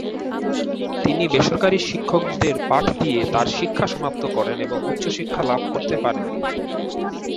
তিনি বেসরকারি শিক্ষকদের পাঠ দিয়ে তার শিক্ষা সমাপ্ত করেন এবং উচ্চশিক্ষা লাভ করতে পারেননি।